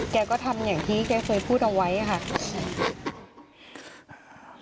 แกก็ทำอย่างที่แกเคยพูดเอาไว้ค่ะ